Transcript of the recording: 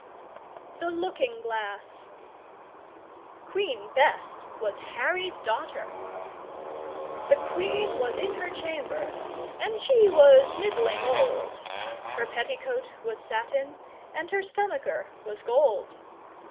The Looking Glass Queen Bess Was Harry's daughter! The Queen was in her chamber, and she was middling old, Her petticoat was satin and her stomacher was gold.